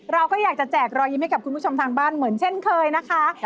เราก็อยากจะแจกรอยยิ้มให้กับคุณผู้ชมทางบ้านเหมือนเช่นเคยนะคะ